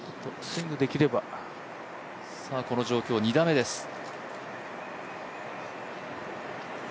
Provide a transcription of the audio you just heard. この状況、２打目です。